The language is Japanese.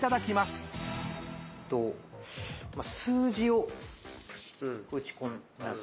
数字を打ち込みました。